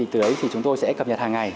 từ đấy thì chúng tôi sẽ cập nhật hàng ngày